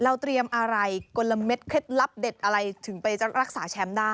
เตรียมอะไรกลมเด็ดเคล็ดลับเด็ดอะไรถึงไปรักษาแชมป์ได้